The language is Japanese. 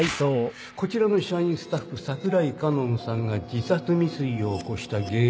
こちらの社員スタッフ櫻井佳音さんが自殺未遂を起こした原因は